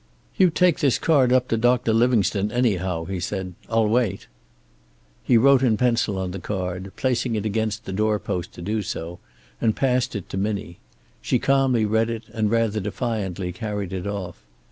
"You take this card up to Doctor Livingstone, anyhow," he said. "I'll wait." He wrote in pencil on the card, placing it against the door post to do so, and passed it to Minnie. She calmly read it, and rather defiantly carried it off.